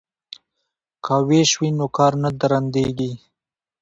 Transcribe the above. که ویش وي نو کار نه درندیږي.